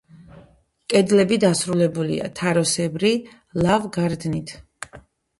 კედლები დასრულებულია თაროსებრი ლავგარდნით.